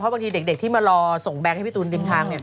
เพราะบางทีเด็กที่มารอส่งแบงค์ให้พี่ตูนดินทาง